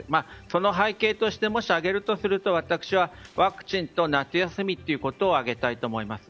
その背景としてもし挙げるとすると私はワクチンと夏休みということを挙げたいと思います。